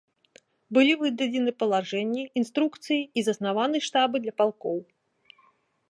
Былі выдадзены палажэнні, інструкцыі і заснаваны штабы для палкоў.